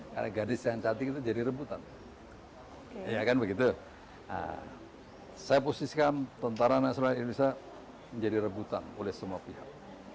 karena gadis yang cantik itu jadi rebutan ya kan begitu saya posisikan tentara nasional indonesia menjadi rebutan oleh semua pihak